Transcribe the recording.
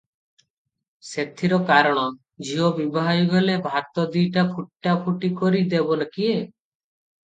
ସେଥିର କାରଣ, ଝିଅ ବିଭା ହୋଇ ଗଲେ ଭାତ ଦି'ଟା ଫୁଟାଫୁଟି କରି ଦେବ କିଏ?